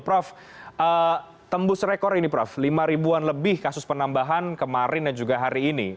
prof tembus rekor ini prof lima ribuan lebih kasus penambahan kemarin dan juga hari ini